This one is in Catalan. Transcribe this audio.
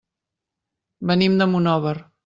Venim de Monòver.